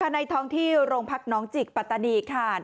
ในท้องที่โรงพักน้องจิกปัตตานีค่ะ